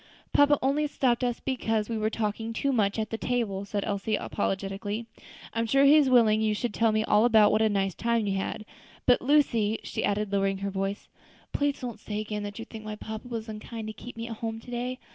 "Papa only stopped us because we were talking too much at the table," said Elsie, apologetically; "I'm sure he is willing you should tell me all about what a nice time you all had. But, Lucy," she added, lowering her voice, "please don't say again that you think papa was unkind to keep me at home to day.